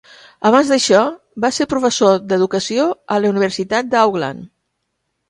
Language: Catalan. Abans d'això, va ser professor d'Educació a la Universitat d'Auckland.